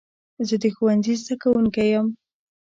زه د ښوونځي زده کوونکی یم.